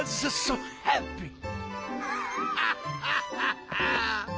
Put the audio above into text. ハッハッハッハッハッ！